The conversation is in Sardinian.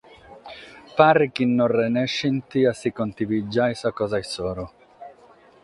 Paret chi non resessint a si contivigiare sa cosa issoro.